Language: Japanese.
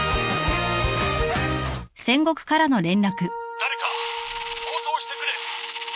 誰か応答してくれ。